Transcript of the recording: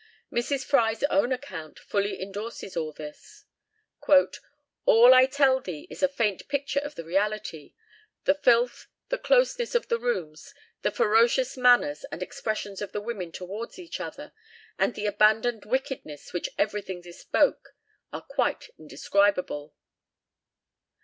Mrs. Fry's own account fully endorses all this. "All I tell thee is a faint picture of the reality; the filth, the closeness of the rooms, the ferocious manners and expressions of the women towards each other, and the abandoned wickedness which everything bespoke, are quite indescribable."